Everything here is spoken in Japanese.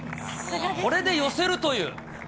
これで寄せるという。